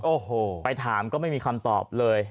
โอ้โหไปถามก็ไม่มีคำตอบเลย